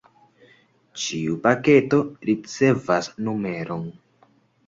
Ĉiu paketo ricevas numeron.